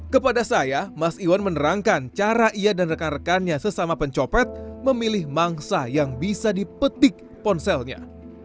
kepada saya mas iwan menerangkan cara ia dan rekan rekannya sesama pencopet memilih mangsa yang bisa dipetik ponselnya